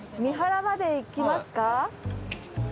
三原まで行きますか？